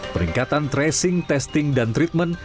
peningkatan tracing testing dan treatment